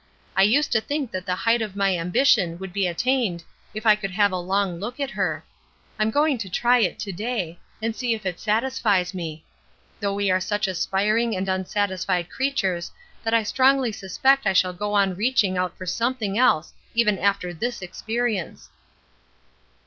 I used to think that the height of my ambition would be attained if I could have a long look at her. I'm going to try it to day, and see if it satisfies me; though we are such aspiring and unsatisfied creatures that I strongly suspect I shall go on reaching out for something else even after this experience."